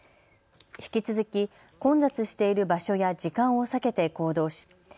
引き続き、混雑している場所や時間を避けて行動し